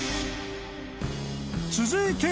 ［続いて］